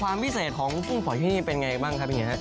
ความพิเศษของกุ้งฝอยที่นี่เป็นอย่างไรบ้างครับเฮีย